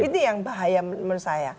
ini yang bahaya menurut saya